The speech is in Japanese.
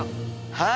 はい！